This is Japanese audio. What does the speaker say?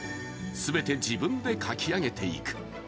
全て自分で書き上げていく。